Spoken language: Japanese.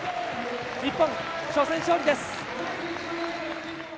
日本、初戦勝利です。